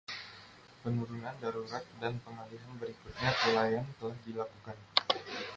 Penurunan darurat dan pengalihan berikutnya ke Lyon telah dilakukan.